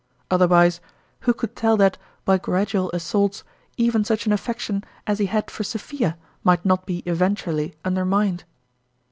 Otherwise, who could tell that, by gradual assaults, even such an af fection as he had for Sophia might not be eventually undermined.